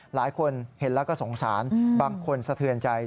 หลายคนเห็นแล้วก็สงสารบางคนสะเทือนใจ